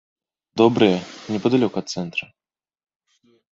Добрыя, непадалёк ад цэнтра.